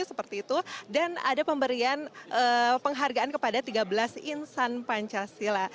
seperti itu dan ada pemberian penghargaan kepada tiga belas insan pancasila